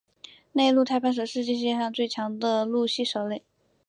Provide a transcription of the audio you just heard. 内陆太攀蛇是世界毒性最强的陆栖蛇类。